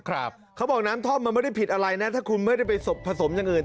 เขาบอกน้ำท่อมมันไม่ได้ผิดอะไรนะถ้าคุณไม่ได้ไปผสมอย่างอื่น